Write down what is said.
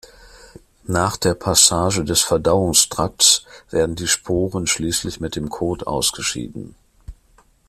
Nach der Passage des Verdauungstrakts werden die Sporen schließlich mit dem Kot ausgeschieden.